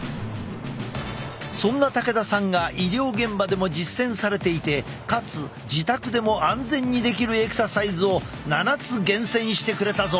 そんな武田さんが医療現場でも実践されていてかつ自宅でも安全にできるエクササイズを７つ厳選してくれたぞ！